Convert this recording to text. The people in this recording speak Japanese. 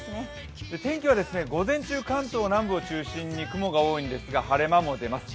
天気は午前中、関東南部を中心に雲が多いんですが晴れ間もあります。